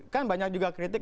kan banyak juga kritik